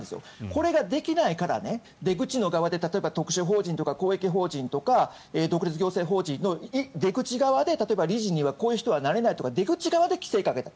これができないから出口の側で例えば特殊法人とか公益法人とか独立行政法人の出口側で理事にはこういう人はなれないとか出口側で規制をかける。